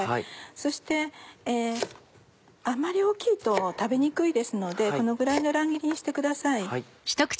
そしてあまり大きいと食べにくいですのでこのぐらいの乱切りにしてください。